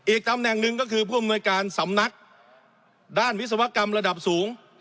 ตำแหน่งหนึ่งก็คือผู้อำนวยการสำนักด้านวิศวกรรมระดับสูง